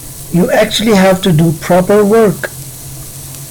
You actually have to do proper work.